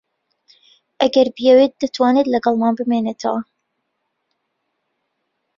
ئەگەر بیەوێت دەتوانێت لەگەڵمان بمێنێتەوە.